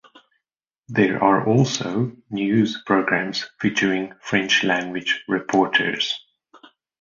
There are also news programmes featuring French-language reporters.